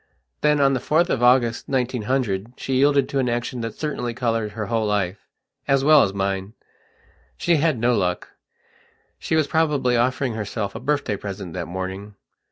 Then, on the 4th of August, 1900, she yielded to an action that certainly coloured her whole lifeas well as mine. She had no luck. She was probably offering herself a birthday present that morning....